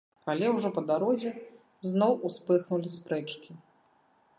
Але ўжо па дарозе зноў успыхнулі спрэчкі.